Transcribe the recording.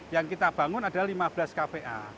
yang kita bangun adalah lima belas kpa